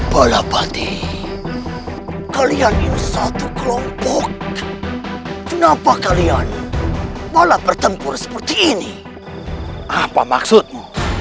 baiklah rimas keselamatan kita memang lebih penting